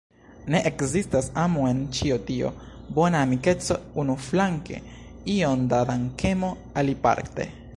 Ne ekzistas amo en ĉio tio: bona amikeco unuflanke, iom da dankemo aliparte.